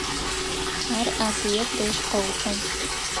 Ар Асыет дэжь къэуцугъ.